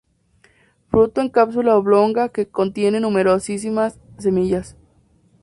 Fruto en cápsula oblonga que contiene numerosísimas semillas.